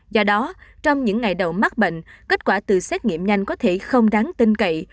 do đó trong những ngày đầu mắc bệnh kết quả từ xét nghiệm nhanh có thể không đáng tin cậy